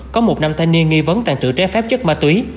có một năm thanh niên nghi vấn tàn trự trái phép chất ma túy